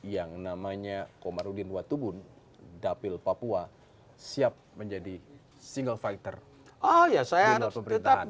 yang namanya komarudin watubun dapil papua siap menjadi single fighter di luar pemerintahan